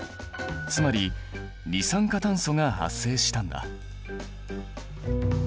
つまり二酸化炭素が発生したんだ。